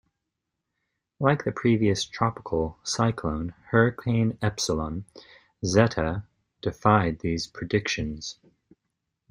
Like the previous tropical cyclone, Hurricane Epsilon, Zeta defied these predictions.